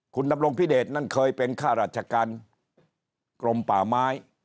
คุณดำรงพิเดชนั่นเคยเป็นข้าราชการกรมป่าไม้